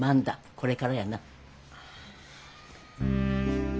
これからやな。